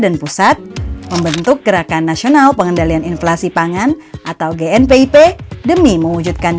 dan pusat membentuk gerakan nasional pengendalian inflasi pangan atau gnp ip demi mewujudkan